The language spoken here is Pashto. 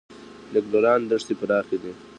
د ګلران دښتې پراخې دي